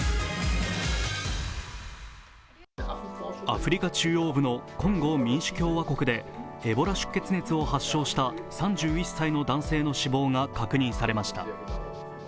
アメリカ中央部のコンゴ民主共和国でエボラ出血熱を発症した３１歳の男性の死亡が確認されました。